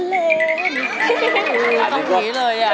อันนี้ก็เกินไป